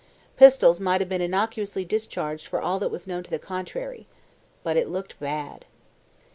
Pistols might have been innocuously discharged for all that was known to the contrary. But it looked bad.